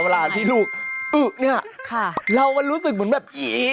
เวลาที่ลูกอึ๊ะเนี่ยเรามันรู้สึกเหมือนแบบอี